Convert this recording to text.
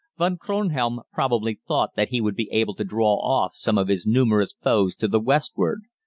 Von Kronhelm probably thought that he would be able to draw off some of his numerous foes to the westward.